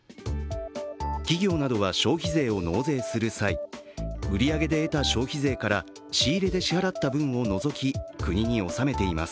企業などは消費税を納税する際、売り上げから得た消費税から仕入れで支払った分を除き、国に納めています。